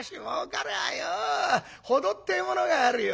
程ってものがあるよ。